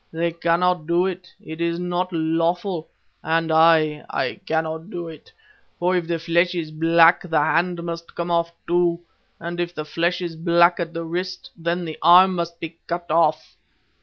'They cannot do it. It is not lawful. And I, I cannot do it, for if the flesh is black the hand must come off too, and if the flesh is black at the wrist, then the arm must be cut off.